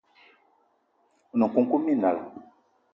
One nkoukouma minal